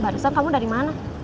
barusan kamu dari mana